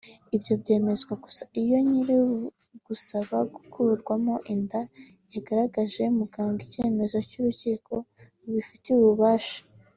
Ibyo byemezwaga gusa iyo nyir’ugusaba gukuramo inda yagaragarije muganga icyemezo cy’urukiko rubifitiye ububasha